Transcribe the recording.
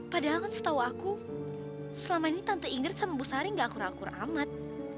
padahal kan setau aku selama ini tante ingrid sama bu sari gak akur akur amat